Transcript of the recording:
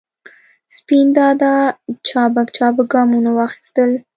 سپین دادا چابک چابک ګامونه واخستل.